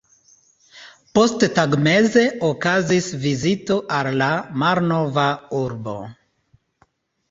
Posttagmeze okazis vizito al la malnova urbo.